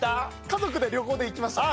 家族で旅行で行きました。